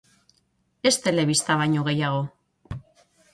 Ez telebista baino gehiago.